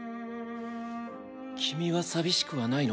君は寂しくはないの？